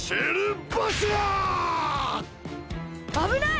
あぶない！